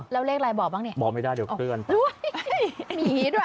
แล้วเลขอะไรบอกบ้างเนี่ยบอกไม่ได้เดี๋ยวเคลื่อน